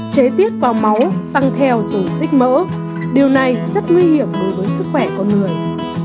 chế tiết vào máu tăng theo rồi tích mỡ điều này rất nguy hiểm đối với sức khỏe con người